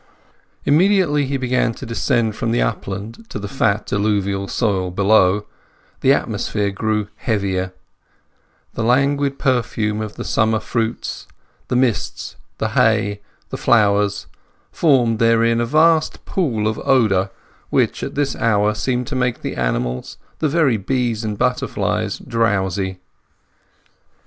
Immediately he began to descend from the upland to the fat alluvial soil below, the atmosphere grew heavier; the languid perfume of the summer fruits, the mists, the hay, the flowers, formed therein a vast pool of odour which at this hour seemed to make the animals, the very bees and butterflies drowsy.